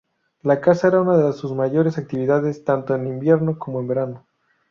La caza era unas de sus mayores actividades, tanto en invierno como en verano.